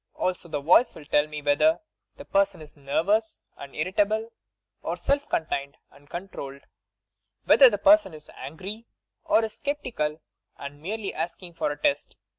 Also the voice will tell me whether the person is nervous and irritable, or self contained and controlled : whether the person is angry, or is sceptical and merely asking for a teat.